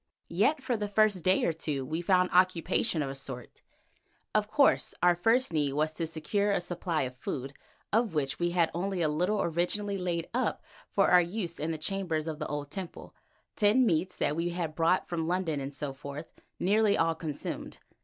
Yet for the first day or two we found occupation of a sort. Of course our first need was to secure a supply of food, of which we had only a little originally laid up for our use in the chambers of the old temple, tinned meats that we had brought from London and so forth, now nearly all consumed.